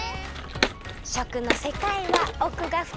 しょくのせかいはおくがふかい。